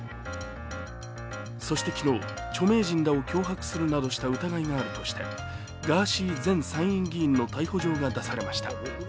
そして昨日、著名人らを脅迫するなどした疑いがあるとしてガーシー前参議院議員の逮捕状が出されました。